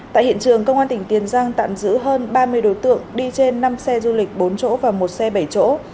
tại hiện trường công an tỉnh tiền giang tạm giữ hơn ba mươi đối tượng đi trên năm xe du lịch bốn chỗ và một xe bảy chỗ